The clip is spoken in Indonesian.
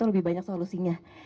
lebih banyak solusinya